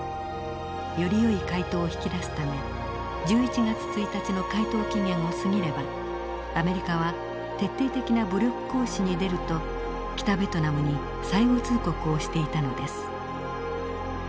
よりよい回答を引き出すため１１月１日の回答期限を過ぎればアメリカは徹底的な武力行使に出ると北ベトナムに最後通告をしていたのです。